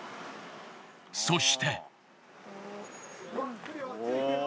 そして。